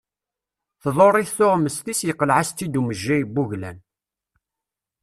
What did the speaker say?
Tḍurr-it tuɣmest-is, yeqleɛ-as-tt-id umejjay n wuglan.